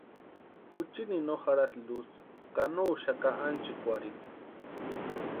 Juchini no jarhasti luz ka no úxaka ánchikwarhini.